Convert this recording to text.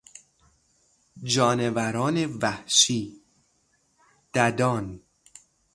جانوران وحشی، ددان